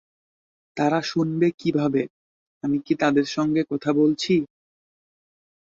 তারা শুনবে কীভাবে, আমি কি তাদের সঙ্গে কথা বলছি?